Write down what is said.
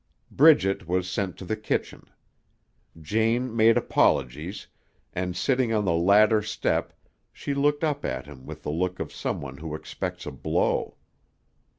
Bridget was sent to the kitchen. Jane made apologies, and sitting on the ladder step she looked up at him with the look of some one who expects a blow.